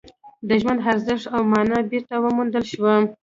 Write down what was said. د ژوند ارزښت او مانا بېرته وموندل شوه